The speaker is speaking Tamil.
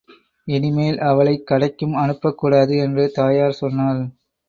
இனிமேல், அவளைக் கடைக்கும் அனுப்பக் கூடாது! என்று தாயார் சொன்னாள்.